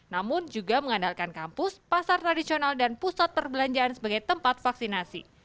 namun juga mengandalkan kampus pasar tradisional dan pusat perbelanjaan sebagai tempat vaksinasi